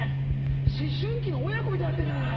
思春期の親子みたいになってんじゃない。